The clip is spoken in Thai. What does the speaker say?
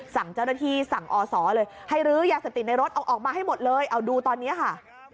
สั่งเจ้าหน้าที่สั่งอศเลยให้ลื้อยาเสพติดในรถเอาออกมาให้หมดเลยเอาดูตอนนี้ค่ะ